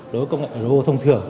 đối với công nghệ ro thông thường